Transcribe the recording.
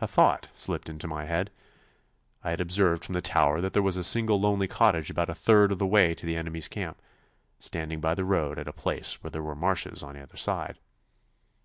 A thought slipped into my head. I had observed from the tower that there was a single lonely cottage about a third of the way to the enemy's camp, standing by the road at a place where there were marshes on either side.